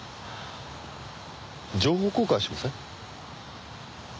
情報交換しません？